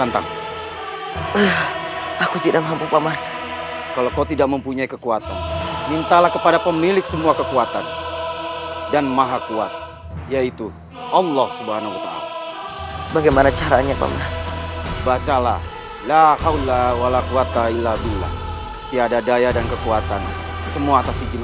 tidak ada waktunya mereka mengejar saya sampai ke sini